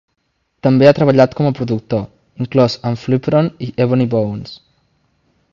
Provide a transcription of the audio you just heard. També ha treballat com a productor, inclòs amb Flipron i Ebony Bones.